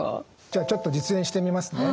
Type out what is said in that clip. じゃあちょっと実演してみますね。